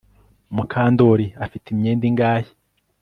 Mukandoli afite imyenda ingahe